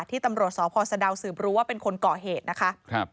ที่ตำรวจสพสะดาวสืบรู้ว่าเป็นคนก่อเหตุนะคะ